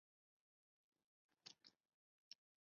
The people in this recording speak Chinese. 分为黄大仙下邨为租者置其屋计划屋邨。